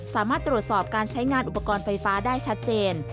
สามารถตรวจสอบการใช้งานอุปกรณ์ไฟฟ้าได้ชัดเจน